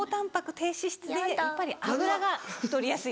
低脂質でやっぱり油が太りやすいです。